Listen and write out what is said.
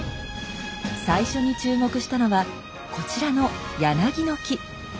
最初に注目したのはこちらの柳の木。